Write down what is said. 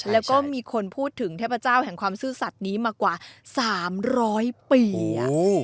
แล้วก็มีคนพูดถึงเทพเจ้าแห่งความซื่อสัตว์นี้มากว่า๓๐๐ปี